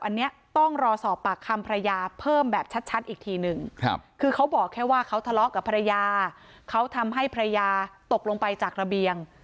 อันนี้ต้องรอสอบปากคำภรรยาเพิ่มแบบชัดอีกทีหนึ่ง